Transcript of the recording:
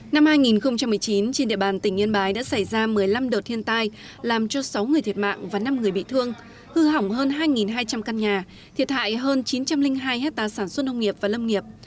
năm hai nghìn một mươi chín trên địa bàn tỉnh yên bái đã xảy ra một mươi năm đợt thiên tai làm cho sáu người thiệt mạng và năm người bị thương hư hỏng hơn hai hai trăm linh căn nhà thiệt hại hơn chín trăm linh hai hectare sản xuất nông nghiệp và lâm nghiệp